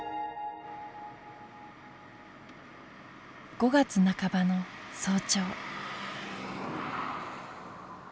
５月半ばの早朝。